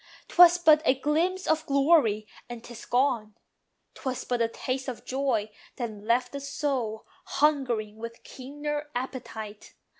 'Twas but a glimpse of glory, and 'tis gone. 'Twas but a taste of joy that left the soul Hungering with keener appetite.